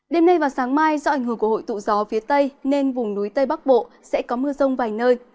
đêm nay và sáng mai do ảnh hưởng của hội tụ gió phía tây nên vùng núi tây bắc bộ sẽ có mưa rông vài nơi